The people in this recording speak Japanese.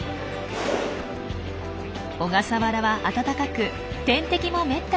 小笠原は暖かく天敵もめったにいません。